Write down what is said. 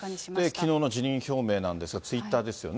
きのうの辞任表明なんですが、ツイッターですよね。